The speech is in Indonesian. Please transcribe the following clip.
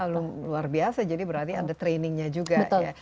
luar biasa jadi berarti ada trainingnya juga ya